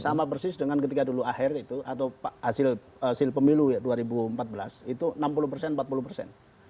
sama persis dengan ketika dulu akhir itu atau hasil pemilu ya dua ribu empat belas itu enam puluh persen empat puluh persen